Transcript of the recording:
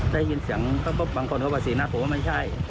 ได้ยินเสียงมันก็พบบางคนโฮปะสี่นัทไม่ใช่